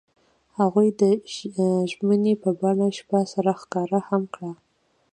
هغوی د ژمنې په بڼه شپه سره ښکاره هم کړه.